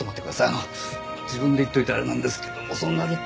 あの自分で言っておいてあれなんですけどもそうなると。